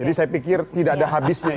jadi saya pikir tidak ada habisnya ini